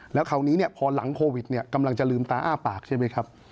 แล้วคราวนี้พอหลังโควิดเนี่ยกำลังจะลืมตาอ้าปากใช่ไหมครับ